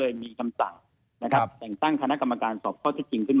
ยังอยู่ครอบครับแต่ประเด็นตรงนี้